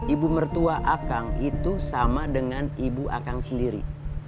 ibu mertua akang itu sama dengan ibu akang sendiri